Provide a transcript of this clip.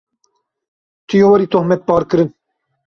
Tu yê werî tohmetbarkirin.